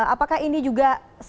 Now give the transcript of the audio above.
apakah ini juga senang